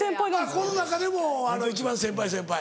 この中でも一番先輩先輩。